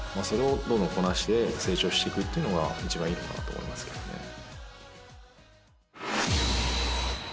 それをどんどんこなして成長していくっていうのが一番いいのかなと思いますけどね。